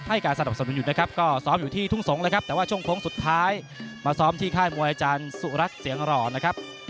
ให้การสนับสนุนอยู่นะครับก็ซ้อมอยู่ที่ทุ่งสงศ์เลยครับแต่ว่าช่วงโค้งสุดท้ายมาซ้อมที่ค่ายมวยอาจารย์สุรัตน์เสียงหล่อนะครับ